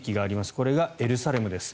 これがエルサレムです。